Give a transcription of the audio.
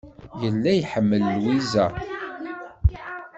Yella iḥemmel Lwiza.